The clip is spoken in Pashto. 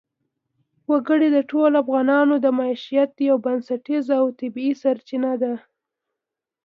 وګړي د ټولو افغانانو د معیشت یوه بنسټیزه او طبیعي سرچینه ده.